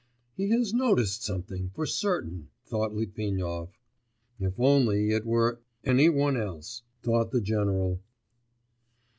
'He has noticed something, for certain!' thought Litvinov. 'If only it were ... any one else!' thought the general.